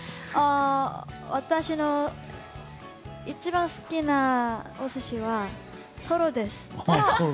私の一番好きなお寿司はトロです。